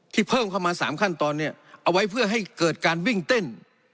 เพิ่มเข้ามา๓ขั้นตอนเนี่ยเอาไว้เพื่อให้เกิดการวิ่งเต้น